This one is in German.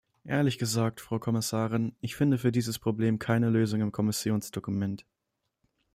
Ehrlich gesagt, Frau Kommissarin, ich finde für dieses Problem keine Lösung im Kommissionsdokument.